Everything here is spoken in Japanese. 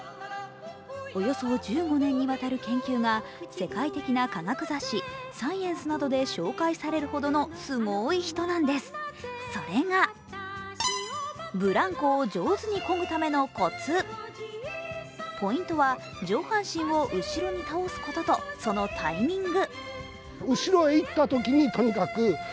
およそ１５年にわたる研究が世界的な科学雑誌「サイエンス」などで紹介されるほどのすごい人なんです、それがポイントは上半身を後ろに倒すことと、そのタイミング。